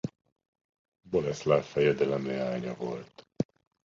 Boleszláv fejedelem leánya volt.